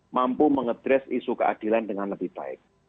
mampu mengadres isu keadilan dengan lebih baik